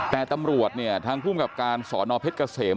แต่ตำรวจเนี่ยทางภูมิกับการสอนอเพชรเกษม